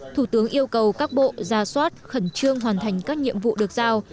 thủ tướng yêu cầu các bộ ra soát khẩn trương hoàn thành các nhiệm vụ được giao